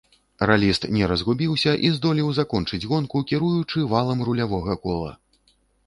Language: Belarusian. Раліст не разгубіўся і здолеў закончыць гонку, кіруючы валам рулявога кола.